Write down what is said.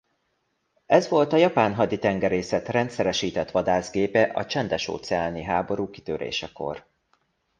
Ez volt a japán haditengerészet rendszeresített vadászgépe a csendes-óceáni háború kitörésekor.